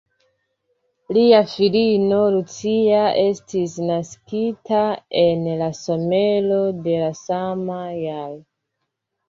Lia filino Lucia estis naskita en la somero da la sama jaro.